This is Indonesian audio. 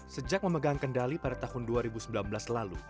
sejak memegang kendali pada tahun dua ribu sembilan belas lalu